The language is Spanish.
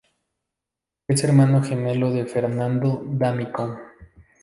Es hermano gemelo de Fernando D'Amico.